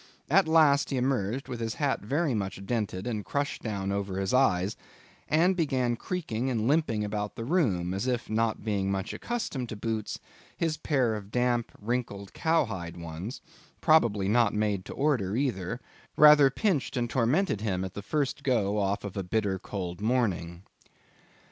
At last, he emerged with his hat very much dented and crushed down over his eyes, and began creaking and limping about the room, as if, not being much accustomed to boots, his pair of damp, wrinkled cowhide ones—probably not made to order either—rather pinched and tormented him at the first go off of a bitter cold morning.